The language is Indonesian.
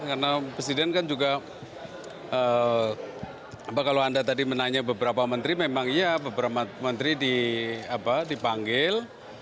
karena presiden kan juga kalau anda tadi menanya beberapa menteri memang iya beberapa menteri dipanggil